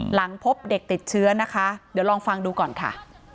หลังพบเด็กติดเชื้อนะคะเดี๋ยวลองฟังดูก่อนค่ะ